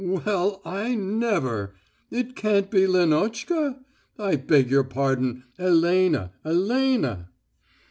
"Well, I never!... It can't be Lenotchka? I beg your pardon, Elena ... Elena...."